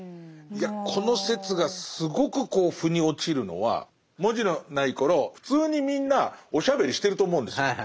いやこの説がすごくこう腑に落ちるのは文字のない頃普通にみんなおしゃべりしてると思うんですよ。